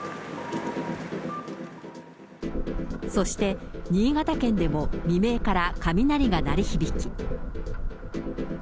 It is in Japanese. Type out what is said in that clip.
そして、新潟県でも未明から雷が鳴り響き。